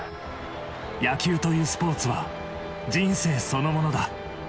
野球というスポーツは人生そのものだ。